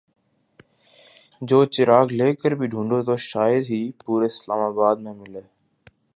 جو چراغ لے کر بھی ڈھونڈو تو شاید ہی پورے اسلام آباد میں ملے ۔